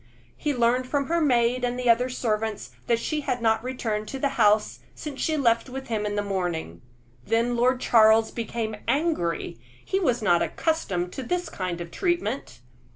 He learned from her maid and other servants that she had not returned to the house since she left with him in the morning. Then Lord Charles became angry; he was not accustomed to this kind of treatment.